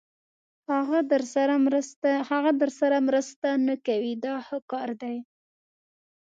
هغه درسره مرسته نه کوي دا ښه کار دی.